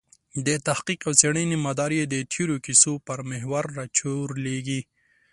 د تحقیق او څېړنې مدار یې د تېرو کیسو پر محور راچورلېږي.